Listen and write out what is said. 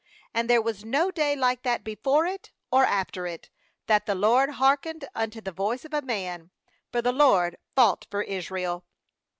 14And there was no day like that before it or after it, that the LORD hearkened un to the voice of a man; for the LORD fought for Israel.